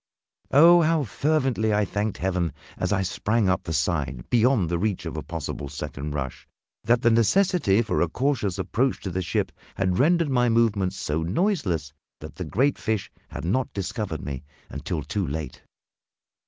Oh, how fervently I thanked Heaven, as I sprang up the side beyond the reach of a possible second rush, that the necessity for a cautious approach to the ship had rendered my movements so noiseless that the great fish had not discovered me until too late!